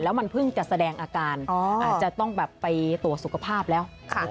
มันเพิ่งจะแสดงอาการอาจจะต้องแบบไปตรวจสุขภาพแล้ว